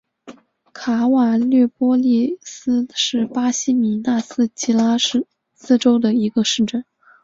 卡瓦略波利斯是巴西米纳斯吉拉斯州的一个市镇。